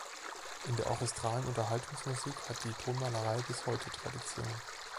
In der orchestralen Unterhaltungsmusik hat die Tonmalerei bis heute Tradition.